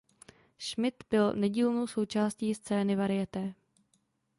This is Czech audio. Schmid byl nedílnou součástí scény varieté.